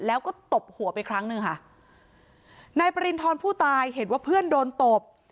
แล้วก็ตบหัวไปครั้งหนึ่งค่ะนายปริณฑรผู้ตายเห็นว่าเพื่อนโดนตบ